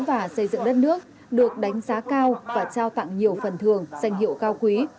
và xây dựng đất nước được đánh giá cao và trao tặng nhiều phần thường danh hiệu cao quý